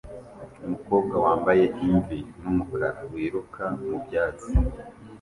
Umukobwa wambaye imvi numukara wiruka mubyatsi